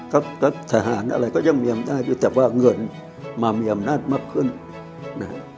ก็ทหารอะไรก็ยังมีอำนาจอยู่แต่ว่าเงินมามีอำนาจมากขึ้นนะฮะ